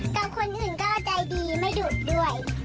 ต่อคนอื่นก็ใจดีไม่ดุด้วย